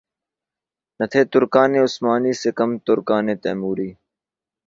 نہ تھے ترکان عثمانی سے کم ترکان تیموری